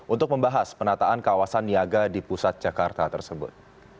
untuk membahas penataan kawasan niaga di pusat jakarta tersebut